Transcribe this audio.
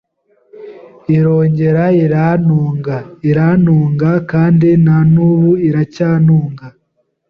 irongera irantunga, irantunga kandi na n’ubu iracyantunze